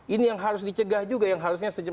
ini yang harus dicegah juga